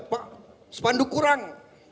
pak spanduk kurang